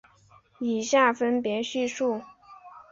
以下分别叙述。